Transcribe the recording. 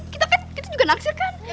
kita kan kita juga naksir kan